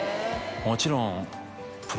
もちろん。